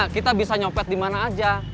kita bisa nyopet dimana aja